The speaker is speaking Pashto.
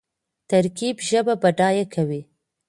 ترکیب ژبه بډایه کوي.